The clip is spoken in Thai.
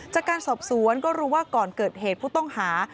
จากการสอบสวนก็รู้ว่าก่อนเกิดเหตุผู้ต้องหา